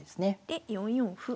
で４四歩。